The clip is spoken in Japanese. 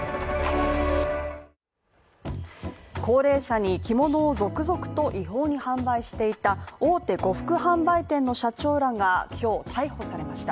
高齢者に着物を続々と違法に販売していた大手呉服販売店の社長らが、今日逮捕されました。